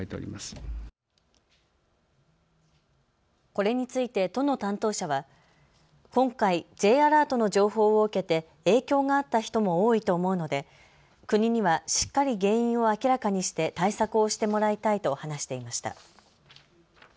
これについて都の担当者は今回、Ｊアラートの情報を受けて影響があった人も多いと思うので国にはしっかり原因を明らかにして対策をしてもらいたいと話していました。